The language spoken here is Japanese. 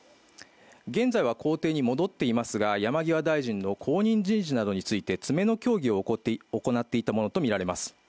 現在は公邸に戻っていますが、山際大臣の後任人事などについて詰めの協議を行っていたものとみられます。